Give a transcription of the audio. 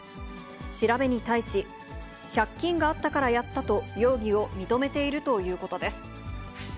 調べに対し、借金があったからやったと、容疑を認めているということです。